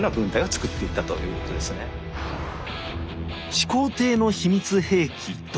始皇帝の秘密兵器弩。